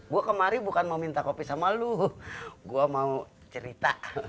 gue kemarin bukan mau minta kopi sama lu gue mau cerita